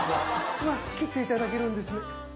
うわっ切っていただけるんですね。